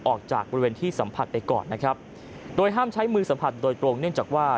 ออกจากบริเวณที่สัมผัสไปก่อนนะครับโดยห้ามใช้มือสัมผัสโดยตรงเนื่องจากว่า